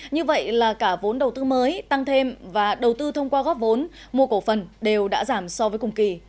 như vậy là cả vốn đầu tư mới tăng thêm và đầu tư thông qua góp vốn mua cổ phần đều đã giảm so với cùng kỳ